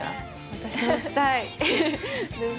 私もしたいです。